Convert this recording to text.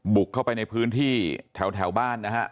บุกเข้าไปในพื้นที่แถวบ้านนะฮะ